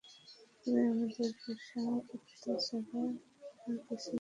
তুই আমাদের পোষা কুত্তা ছাড়া আর কিছুই নস।